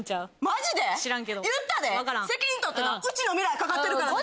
マジで⁉言ったで責任取ってなうちの未来懸かってるから。